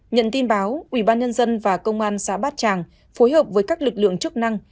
nhận tin báo ubnd và công an xã bát tràng phối hợp với các lực lượng chức năng